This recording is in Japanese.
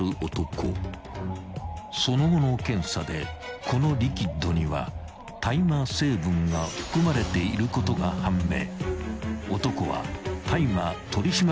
［その後の検査でこのリキッドには大麻成分が含まれていることが判明］